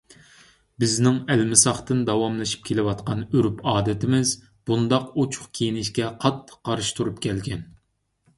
بىزنىڭ ئەلمىساقتىن داۋاملىشىپ كېلىۋاتقان ئۆرپ-ئادىتىمىز بۇنداق ئوچۇق كىيىنىشكە قاتتىق قارشى تۇرۇپ كەلگەن.